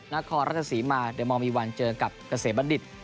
นาคอรัชศรีมาเดี๋ยวมองมีวันเจอกับเกษตรบรรดิษฐ์